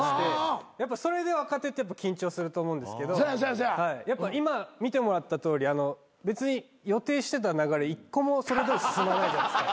やっぱそれで若手って緊張すると思うんですけどやっぱ今見てもらったとおり別に予定してた流れ１個もそれどおり進まないじゃないですか。